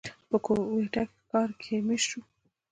پۀ کوئټه ښار کښې ميشته شو،